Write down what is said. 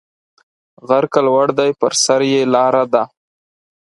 غر که لوړ دی پر سر یې لار ده